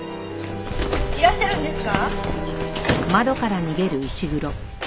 いらっしゃるんですか？